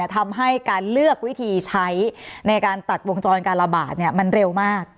ทำให้การเลือกวิธีใช้ในการตัดวงจรการระบาดมันเร็วมาก